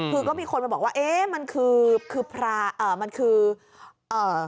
คือก็มีคนมาบอกว่าเอ๊ะมันคือคือพระเอ่อมันคือเอ่อ